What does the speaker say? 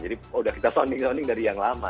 jadi udah kita sounding sounding dari yang lama